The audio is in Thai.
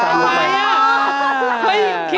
ถึงทันอย่าจัด